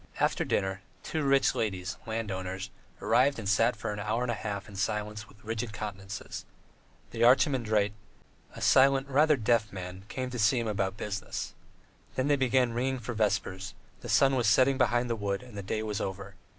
... After dinner two rich ladies, landowners, arrived and sat for an hour and a half in silence with rigid countenances; the archimandrite, a silent, rather deaf man, came to see him about business. Then they began ringing for vespers; the sun was setting behind the wood and the day was over.